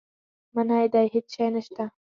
منی دی هېڅ شی نه شته.